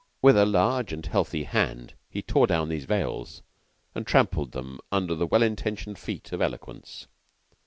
With a large and healthy hand, he tore down these veils, and trampled them under the well intentioned feet of eloquence.